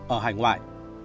ở hải ngoại